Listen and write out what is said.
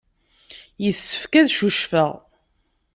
Yessefk ad ccucfeɣ.